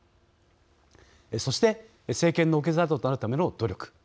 そして政権の受け皿となるための努力。